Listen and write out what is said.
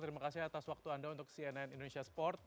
terima kasih atas waktu anda untuk cnn indonesia sport